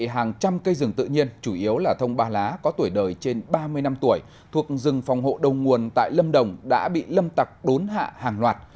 hàng trăm cây rừng tự nhiên chủ yếu là thông ba lá có tuổi đời trên ba mươi năm tuổi thuộc rừng phòng hộ đông nguồn tại lâm đồng đã bị lâm tặc đốn hạ hàng loạt